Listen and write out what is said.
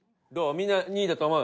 みんな２位だと思う？